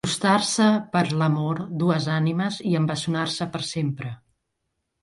Acostar-se per l'amor dues ànimes i embessonar-se per sempre.